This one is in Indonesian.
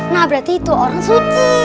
nah berarti itu orang suci